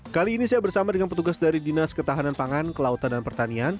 kali ini saya bersama dengan petugas dari dinas ketahanan pangan kelautan dan pertanian